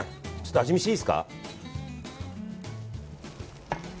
味見していいですか？